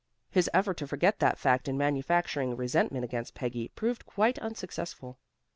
His effort to forget that fact in manufacturing resentment against Peggy proved quite unsuccessful.